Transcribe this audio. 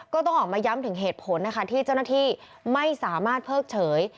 ก็ต้องออกมาย้ำถึงเหตุผลนะคะที่เจ้าหน้าที่ไม่สามารถเพิกเฉย